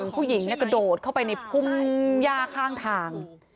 ผู้หญิงกระโดดเข้าไปในพุ่มย่าข้างทาง